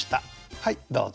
はいどうぞ。